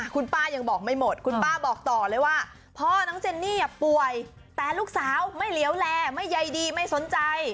คุณป้ายังบอกไม่หมดคุณป้าบอกต่อเลยว่าพ่อน้องเจนนี่ป่วยแต่ลูกสาวไม่เหลียวแลไม่ใยดีไม่สนใจ